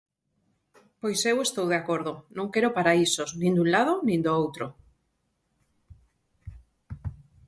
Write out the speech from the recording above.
Pois eu estou de acordo: non quero paraísos, nin dun lado nin do outro.